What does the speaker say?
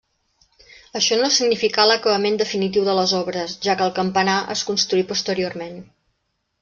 Això no significà l'acabament definitiu de les obres, ja que el campanar es construí posteriorment.